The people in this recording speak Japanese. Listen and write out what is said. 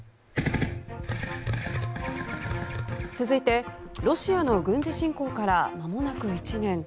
続いてロシアの軍事侵攻からまもなく１年。